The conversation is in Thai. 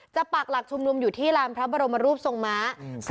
ปากหลักชุมนุมอยู่ที่ลานพระบรมรูปทรงม้า